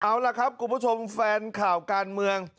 เอาล่ะครับคุณผู้ชมแฟนข่าวการเมือง